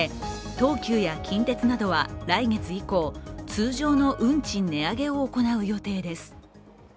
東急や近鉄などは来月以降通常の運賃値上げを行う予定です。